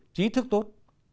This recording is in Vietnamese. trí thức tốt